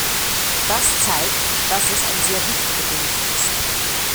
Das zeigt, dass es ein sehr wichtiger Bericht ist.